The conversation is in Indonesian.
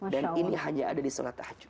dan ini hanya ada di salat tahajud